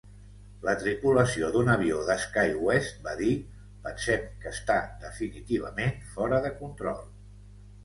La tripulació d'un avió de Skywest va dir: "Pensem que està definitivament fora de control".